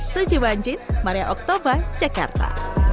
suji banjir maria oktober jakarta